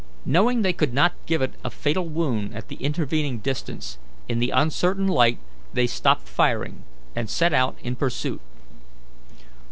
Knowing they could not give it a fatal wound at the intervening distance, in the uncertain light, they stopped firing and set out in pursuit.